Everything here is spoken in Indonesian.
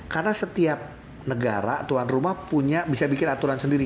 karena setiap negara tuan rumah punya bisa bikin aturan sendiri